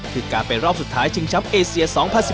คือการเป็นรอบสุดท้ายชิงช้ำเอเซีย๒๐๑๙